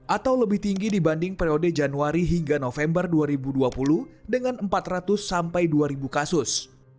atau lebih tinggi dibanding periode januari hingga november dua ribu dua puluh dengan empat ratus sampai dua kasus